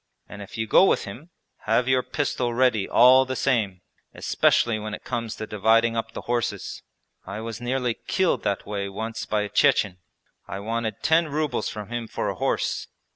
And if you go with him, have your pistol ready all the same, especially when it comes to dividing up the horses. I was nearly killed that way once by a Chechen. I wanted ten rubles from him for a horse.